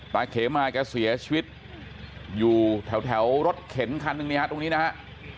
เขมาแกเสียชีวิตอยู่แถวรถเข็นคันหนึ่งเนี่ยฮะตรงนี้นะฮะ